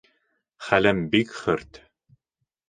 Хәлем бик хөрт...